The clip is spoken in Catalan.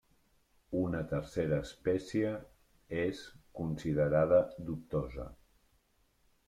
Una tercera espècie és considerada dubtosa.